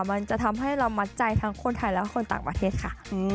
มันจะทำให้เรามัดใจทั้งคนไทยและคนต่างประเทศค่ะ